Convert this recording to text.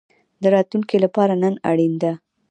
د راتلونکي لپاره نن اړین ده